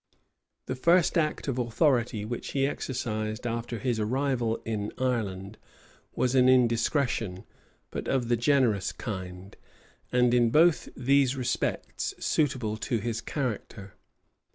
The first act of authority which he exercised after his arrival in Ireland, was an indiscretion, but of the generous kind, and in both these respects suitable to his character.